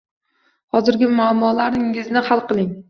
Hozirgi mammolaringizni hal qiling.